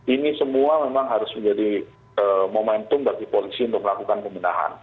ini semua memang harus menjadi momentum bagi polisi untuk melakukan pembenahan